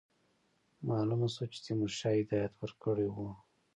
معلومه شوه چې تیمورشاه هدایت ورکړی وو.